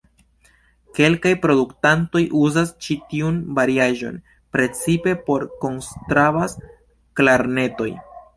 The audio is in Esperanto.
Kelkaj produktanto uzas ĉi tiun variaĵon precipe por konstrabas-klarnetoj.